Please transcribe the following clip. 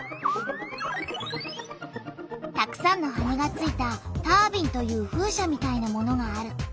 たくさんの羽がついた「タービン」という風車みたいなものがある。